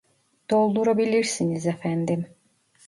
Doldurabilirsiniz efendim